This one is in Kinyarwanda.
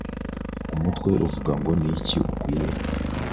umutwe uvuga ngo niki ukwiye